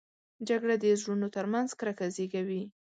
جګړه د زړونو تر منځ کرکه زېږوي